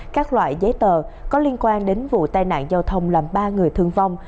các loại giấy tờ có liên quan đến vụ tai nạn giao thông làm ba người thương vong